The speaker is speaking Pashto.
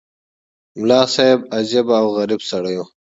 ملا صاحب عجیب او غریب سړی وو.